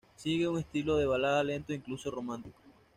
Sigue un estilo de balada lento e incluso romántico.